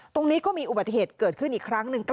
ตรงนี้ก็มีอุบัติเหตุเกิดขึ้นอีกครั้งหนึ่ง